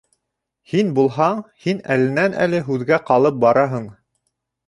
Һин булһаң, һин әленән-әле һүҙгә ҡалып бараһың.